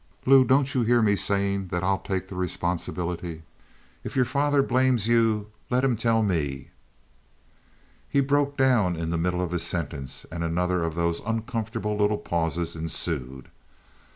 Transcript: "Lou, don't you hear me saying that I'll take the responsibility? If your father blames you let him tell me " He broke down in the middle of his sentence and another of those uncomfortable little pauses ensued.